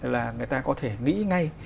là người ta có thể nghĩ ngay